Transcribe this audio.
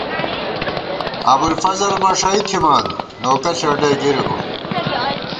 ابُوالفضل مݭَئ تھِمان، نوکہ ݪېنڈَئی گِرِبہ